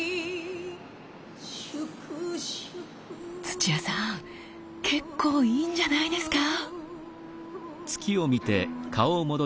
土屋さん結構いいんじゃないですか？